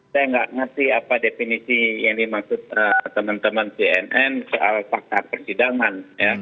saya nggak ngerti apa definisi yang dimaksud teman teman cnn soal fakta persidangan